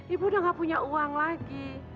ibu udah gak punya uang lagi